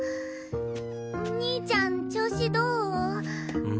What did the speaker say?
兄ちゃん調子どう？